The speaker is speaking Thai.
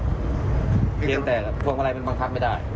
เครื่องยนต์ก็เชียงแต่พวงมาลัยมันบังคับไม่ได้